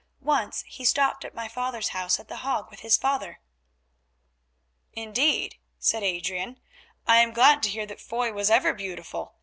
Once he stopped at my father's house at The Hague with his father." "Indeed," said Adrian, "I am glad to hear that Foy was ever beautiful.